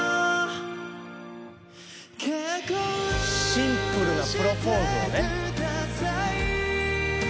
シンプルなプロポーズをね。